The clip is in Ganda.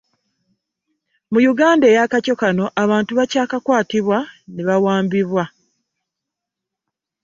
Mu Uganda eya kaco kano, abantu bakyakwatibwa ne bawambibwa.